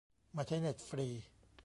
มาใช้เน็ตฟรี